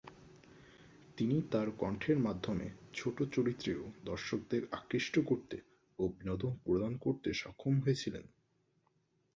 তিনি তাঁর কণ্ঠের মাধ্যমে ছোট চরিত্রেও দর্শকদের আকৃষ্ট করতে ও বিনোদন প্রদান করতে সক্ষম হয়েছিলেন।